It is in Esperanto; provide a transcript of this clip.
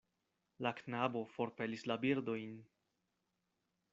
La knabo forpelis la birdojn.